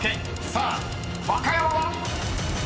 ［さあ和歌山は⁉］